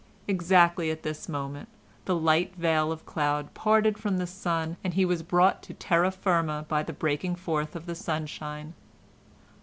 Exactly at this moment the light veil of cloud parted from the sun, and he was brought to terra firma by the breaking forth of the sunshine.